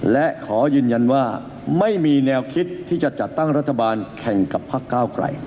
และขอยืนยันว่าไม่มีแนวคิดที่จะจัดตั้งรัฐบาลแข่งกับพักก้าวไกล